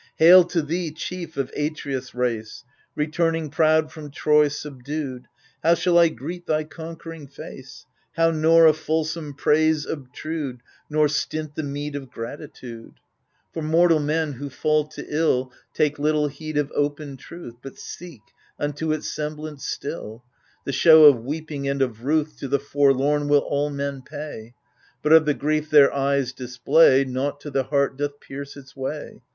Hail to thee, chief of Atreus' race, Returning proud from Troy subdued ! How shall I greet thy conquering face ? How nor a fulsome praise obtrude, Nor stint the meed of gratitude ? AGAMEMNON 35 For mortal men who fall to ill Take little heed of open truth, But seek unto its semblance still : The show of weeping and of ruth To the forlorn will all men pay, But, of the grief their eyes display, Nought to the heart doth pierce its way.